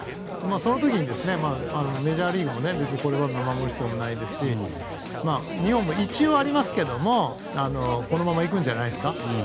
その時にメジャーリーグも別に守る必要もないですし日本も一応ありますけどこのままいくんじゃないですか。